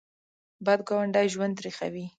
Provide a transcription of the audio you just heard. بد ګاونډی ژوند تریخوي